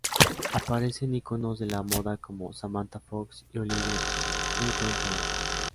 Aparecen íconos de la moda como Samantha Fox y Olivia Newton John.